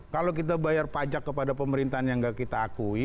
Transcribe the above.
kalau kita bayar pajak kepada pemerintahan yang gak kita akui